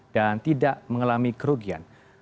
dan tidak mengalami kerugian